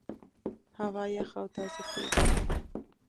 هوا یخه او تازه کېږي.